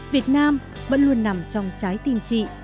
việt nam vẫn luôn nằm trong trái tim chị